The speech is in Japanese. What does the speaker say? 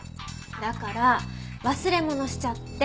だから忘れ物しちゃって。